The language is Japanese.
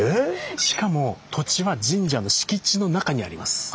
しかも土地は神社の敷地の中にあります。